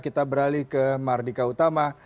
kita beralih ke mardika utama